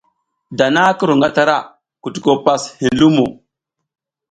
Dana ki ru ngatara, kutuko pas hin lumo.